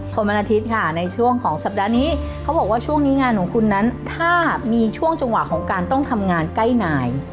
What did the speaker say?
วันอาทิตย์ค่ะในช่วงของสัปดาห์นี้เขาบอกว่าช่วงนี้งานของคุณนั้นถ้ามีช่วงจังหวะของการต้องทำงานใกล้นาย